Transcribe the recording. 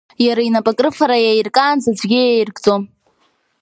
Иара инапы акрыфара иаиркаанӡа аӡәгьы иаиркӡом.